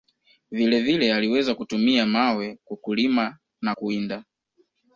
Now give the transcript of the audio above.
Vile vile, aliweza kutumia mawe kwa kulima na kuwinda.